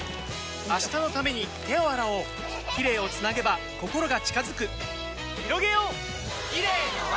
明日のために手を洗おうキレイをつなげば心が近づくひろげようキレイの輪！